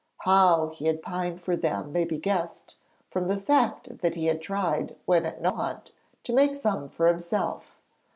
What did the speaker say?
How he pined for them may be guessed from the fact that he had tried when at Nohant to make some for himself.